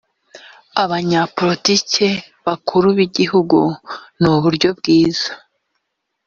abanyapolitiki bakuru b igihugu n uburyo bwiza